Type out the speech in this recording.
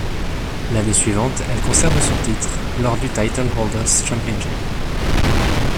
L'année suivante, elle conserve son titre lors du Titleholders Championship.